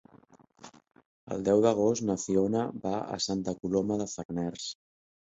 El deu d'agost na Fiona va a Santa Coloma de Farners.